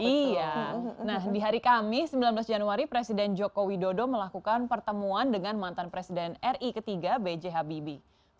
iya nah di hari kamis sembilan belas januari presiden joko widodo melakukan pertemuan dengan mantan presiden ri ketiga b j habibie